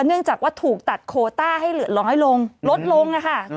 เนื่องจากว่าถูกตัดโคต้าให้เหลือน้อยลงลดลงค่ะ